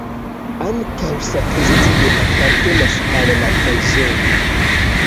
Ankaŭ sakristio apartenas al la preĝejo.